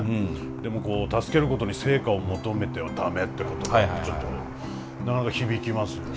でもこう助けることに成果を求めては駄目って言葉はちょっとなかなか響きますよね。